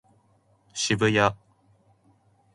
渋谷